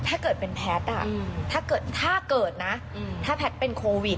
ถ้าเกิดเป็นแพทย์ถ้าเกิดนะถ้าแพทย์เป็นโควิด